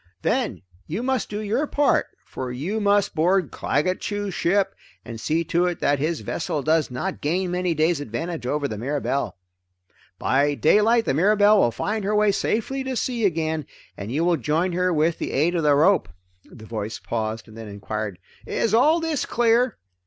Then you must do your part, for you must board Claggett Chew's ship and see to it that his vessel does not gain many days' advantage over the Mirabelle. By daylight the Mirabelle will find her way safely to sea again, and you will rejoin her with the aid of the rope." The voice paused and then enquired, "Is all this clear?"